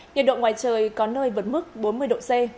nhiệt độ ngoài trời có nơi vượt mức bốn mươi độ c